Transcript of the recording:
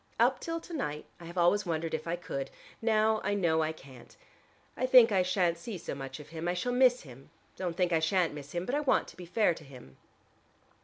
Up till to night I have always wondered if I could. Now I know I can't. I think I shan't see so much of him. I shall miss him, don't think I shan't miss him, but I want to be fair to him.